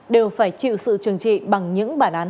đều phải chịu sự trừng trị bằng những bản án